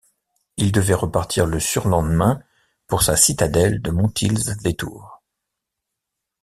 Il devait repartir le surlendemain pour sa citadelle de Montilz-lès-Tours.